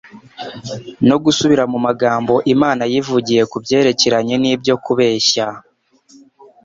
no gusubira mu magambo Imana yivugiye ku byerekeranye n'ibyo kubeshya